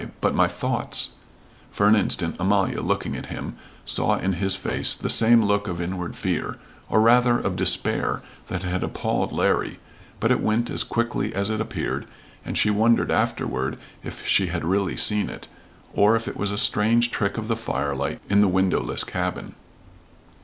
But my thoughts " For an instant Amalia, looking at him, saw in his face the same look of inward fear or rather of despair that had appalled Larry, but it went as quickly as it appeared, and she wondered afterward if she had really seen it, or if it was a strange trick of the firelight in the windowless cabin.